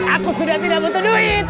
aku sudah tidak butuh duit